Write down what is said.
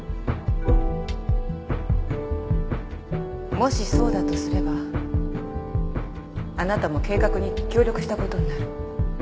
もしそうだとすればあなたも計画に協力した事になる。